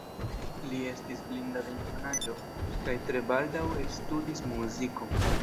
Li estis blinda de infanaĝo, kaj tre baldaŭ studis muzikon.